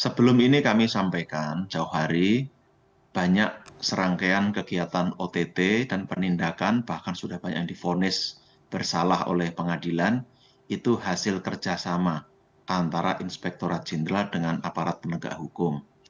sebelum ini kami sampaikan jauh hari banyak serangkaian kegiatan ott dan penindakan bahkan sudah banyak yang difonis bersalah oleh pengadilan itu hasil kerjasama antara inspektora jenderal dengan aparat penegak hukum